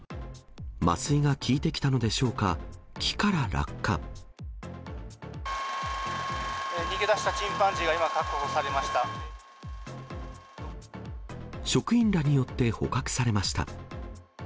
麻酔が効いてきたのでしょうか、逃げ出したチンパンジーが今、職員らによって捕獲されました。